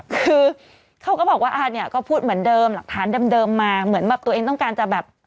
คือเขาก็บอกว่าอ่าเนี่ยก็พูดเหมือนเดิมหลักฐานเดิมมาเหมือนแบบตัวเองต้องการจะแบบ